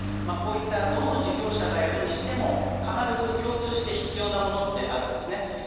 まあこういったどの事業者がやるにしても必ず共通して必要なものってあるんですね。